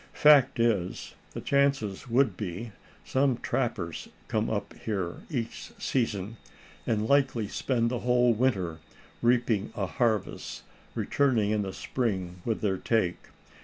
"Fact is, the chances would be, some trappers come up here each season, and likely spent the whole winter reaping a harvest, returning in the Spring with their take.